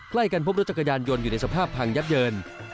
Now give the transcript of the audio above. ใกล้กันพบรถจักรยานยนต์อยู่ในสภาพพังยับเยิน